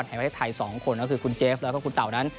ให้ไว้ไทย๒คนคือคุณเจฟแล่วก็คุณเต๋า